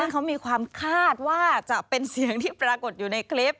เขามีความคาดว่าจะเป็นเสียงที่ปรากฏอยู่ในคลิป